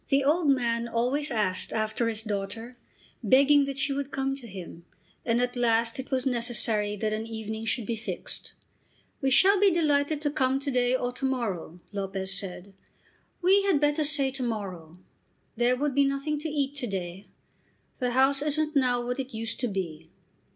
The old man always asked after his daughter, begging that she would come to him, and at last it was necessary that an evening should be fixed. "We shall be delighted to come to day or to morrow," Lopez said. "We had better say to morrow. There would be nothing to eat to day. The house isn't now what it used to be."